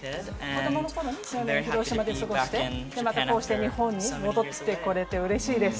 子供の頃に広島で過ごして、またこうして日本に戻ってこれて嬉しいです。